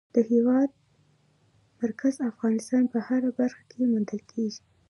د هېواد مرکز د افغانستان په هره برخه کې موندل کېږي.